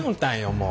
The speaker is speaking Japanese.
もう。